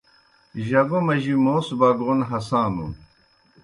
جگو مجیْ موس بگَون ہسانُن۔